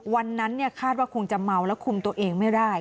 คาดว่าคงจะเมาแล้วคุมตัวเองไม่ได้